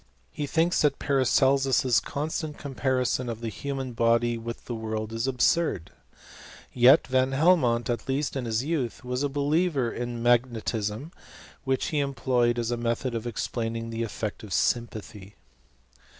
He thinks that Paracelsus's constant comparison of the human body with the world is absurd. Yet Van Helmont, at least in his youth, was a believer in magnetism, which he employed as a method of explaining the efiect of sympathy.